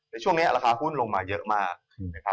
ในช่วงนี้ราคาหุ้นลงมาเยอะมาก